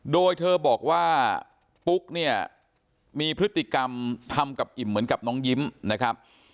โดยเธอบอกว่าปุ๊กเนี่ยมีพฤติกรรมทำกับอิ่มเหมือนกับน้องยิ้มนะครับ